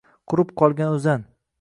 Qurib qolgan oʻzan